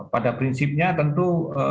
pada prinsipnya tentu